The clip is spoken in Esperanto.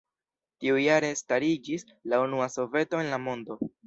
Tiujare stariĝis la unua soveto en la mondo.